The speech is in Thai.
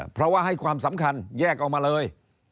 เพราะว่าให้ความสำคัญแยกออกมาเลย